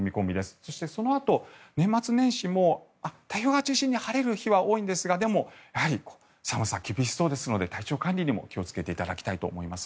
そして、そのあと年末年始も太平洋側を中心に晴れる日は多いんですがでも、やはり寒さが厳しそうですので体調管理にも気をつけていただきたいと思います。